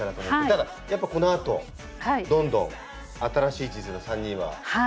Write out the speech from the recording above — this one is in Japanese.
ただやっぱこのあとどんどん新しい地図の３人は成長していくから。